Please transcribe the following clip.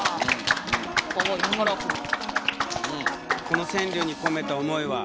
この川柳に込めた思いは？